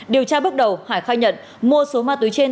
điều tra bước đầu hải khai nhận mua số ma túy trên